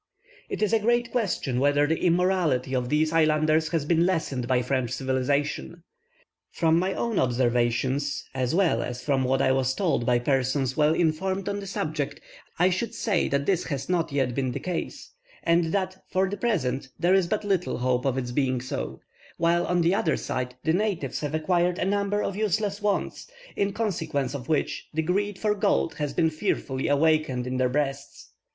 It is a great question whether the immorality of these islanders has been lessened by French civilization. From my own observations, as well as from what I was told by persons well informed on the subject, I should say that this has not yet been the case, and that, for the present, there is but little hope of its being so: while, on the other side, the natives have acquired a number of useless wants, in consequence of which, the greed for gold has been fearfully awakened in their breasts.